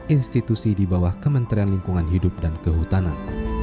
institusi di bawah kementerian lingkungan hidup dan kehutanan